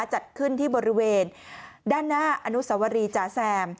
จัดขึ้นที่บริเวณด้านหน้าอนุสวรีจาแซม